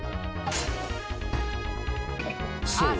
［そう。